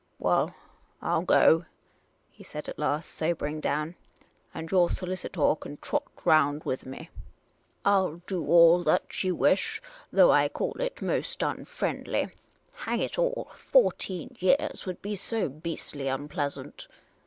" Well, I '11 go," he said at last, sobering down ;" and your solicitaw can trot round with me. 342 Miss Cayley's Adventures I '11 do all that you wish, though I call it most unfriendly. Hang it all, fourteen yeahs would be so beastly unpleasant!